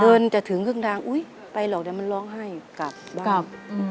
เดินจะถึงเครื่องด้านอุ๊ยไปหรอกแล้วมันร้องให้กลับบ้าน